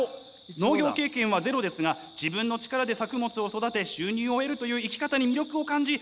農業経験はゼロですが自分の力で作物を育て収入を得るという生き方に魅力を感じ